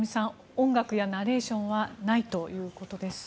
音楽やナレーションはないということです。